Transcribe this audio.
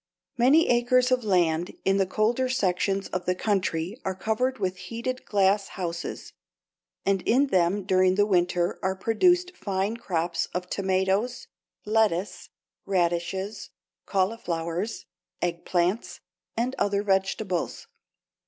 Many acres of land in the colder sections of the country are covered with heated glass houses, and in them during the winter are produced fine crops of tomatoes, lettuce, radishes, cauliflowers, eggplants, and other vegetables.